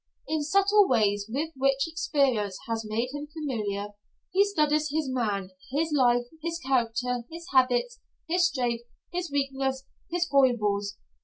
In subtle ways with which experience has made him familiar, he studies his man, his life, his character, his habits, his strength, his weakness, his foibles.